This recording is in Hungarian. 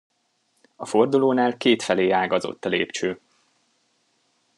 A fordulónál kétfelé ágazott a lépcső.